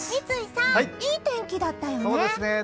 三井さん、いい天気だったよね。